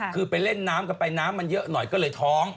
คือไปเล่นน้ำกันไปน้ำมันเยอะหน่อยก็เลยท้อง